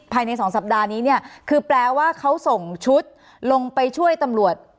ภายใน๒สัปดาห์นี้เนี่ยคือแปลว่าเขาส่งชุดลงไปช่วยตำรวจ